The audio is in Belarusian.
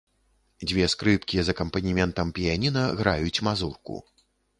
Дзве скрыпкі з акампанементам піяніна граюць мазурку.